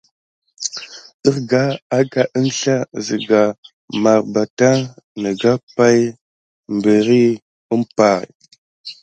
Ərga aka əŋslah siga mabartan nigra pay mberi umpay.